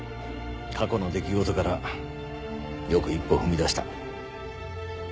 過去の出来事からよく一歩踏みだした。